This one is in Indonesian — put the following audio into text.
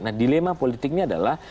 nah dilema politiknya adalah